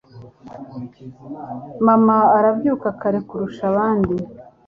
Mama arabyuka kare kurusha abandi